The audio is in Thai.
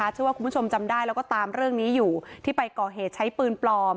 เชื่อว่าคุณผู้ชมจำได้แล้วก็ตามเรื่องนี้อยู่ที่ไปก่อเหตุใช้ปืนปลอม